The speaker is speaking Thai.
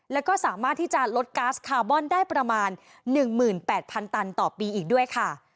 แล้วก็สามารถที่จะลดก๊าซคาร์บอนได้ประมาณ๑๘๐๐๐ตันต่อปีอีกด้วยค่ะ